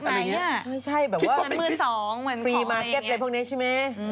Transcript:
แปลวะแหมนมือสองเหมือนมีมักเก็ตในพวกนี้ใช่ไหม